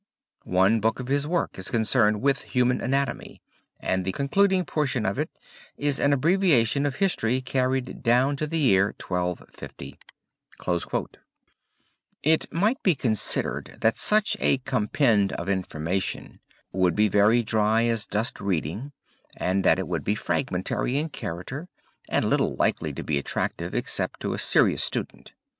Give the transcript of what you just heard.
One book of his work is concerned with human anatomy, and the concluding portion of it is an abbreviation of history carried down to the year 1250." [Footnote 22: Puschmann. Hand Buch der Geschichte der Medizin, Jena, Fischer, 1902.] It might be considered that such a compend of information would be very dry as dust reading and that it would be fragmentary in character and little likely to be attractive except to a serious student.